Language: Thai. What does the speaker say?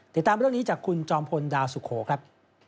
ติดตามเรื่องนี้จากคุณจอมพลดาวสุโขครับ